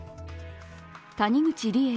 谷口梨恵